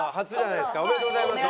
おめでとうございます。